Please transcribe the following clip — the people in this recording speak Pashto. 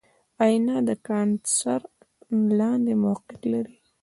آئینه د کاندنسر لاندې موقعیت لري.